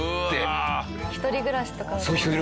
一人暮らしとか。